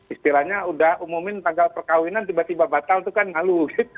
istilahnya sudah umumin tanggal perkahwinan tiba tiba batal itu kan ngalu